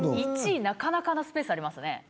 １位なかなかなスペースありますね。